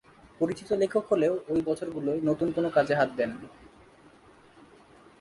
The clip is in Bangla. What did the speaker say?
পরিচিত লেখক হলেও ঐ বছরগুলোয় নতুন কোন কাজে হাত দেননি।